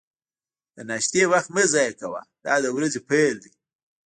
د ناشتې وخت مه ضایع کوه، دا د ورځې پیل دی.